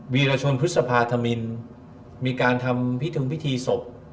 ีรชนพฤษภาธมินมีการทำพิธงพิธีศพ